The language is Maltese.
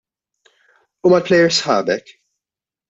U mal-plejers sħabek?